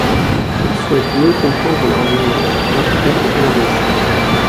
Ils souhaitent mieux comprendre leurs usages, leurs prix et leurs risques.